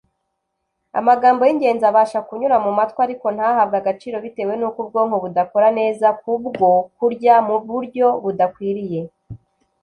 amagambo y'ingenzi abasha kunyura mu matwi ariko ntahabwe agaciro, bitewe n'uko ubwonko budakora neza kubwo kurya mu buryo budakwiriye